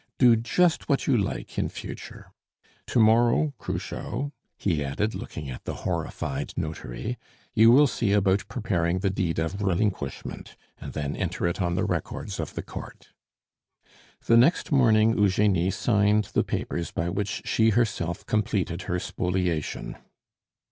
Do just what you like in future. To morrow, Cruchot," he added, looking at the horrified notary, "you will see about preparing the deed of relinquishment, and then enter it on the records of the court." The next morning Eugenie signed the papers by which she herself completed her spoliation.